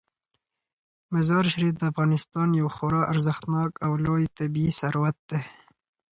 مزارشریف د افغانستان یو خورا ارزښتناک او لوی طبعي ثروت دی.